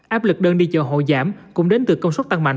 áp lực đơn đi chợ hội giảm cũng đến từ công suất tăng mạnh